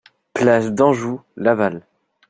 Place d'Anjou, Laval